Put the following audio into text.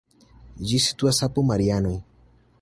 Ĝi situas apud Marianoj.